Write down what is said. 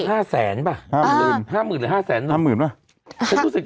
ห้าแสนป่ะห้าหมื่นหรือห้าแสนถูกสิจะห้าหมื่นหรือห้าแสนเนี่ยโดยประมาณ